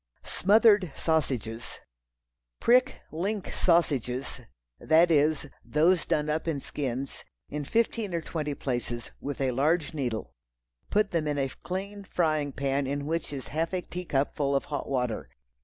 Smothered Sausages. Prick "link" sausages—that is, those done up in skins, in fifteen or twenty places, with a large needle; put them in a clean frying pan in which is a half a teacup full of hot water.